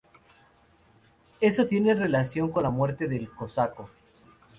Eso tiene relación con la muerte del cosaco.